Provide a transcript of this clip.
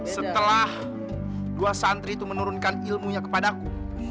setelah dua santri itu menurunkan ilmunya kepadaku